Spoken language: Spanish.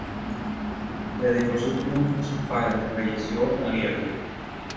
Dedicó su triunfo a su padre, fallecido en aquellos días.